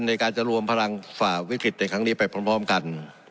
ในการจะรวมพลังฝ่าวิกฤตในครั้งนี้ไปพร้อมกัน